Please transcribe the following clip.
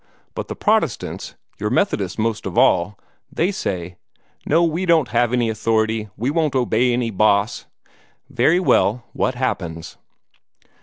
But the Protestants your Methodists most of all they say 'No, we won't have any authority, we won't obey any boss.' Very well, what happens?